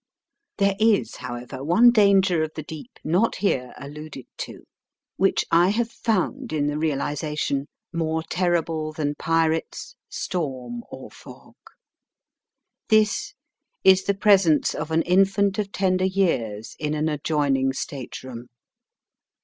There is, however, one danger of the deep not here alluded to, which I have Digitized by VjOOQIC 14 EAST BY WEST. found in the realization more terrible than pirates, storm, or fog. This is the presence of an infant of tender years in an adjoin ing state room.